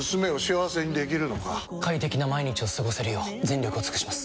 快適な毎日を過ごせるよう全力を尽くします！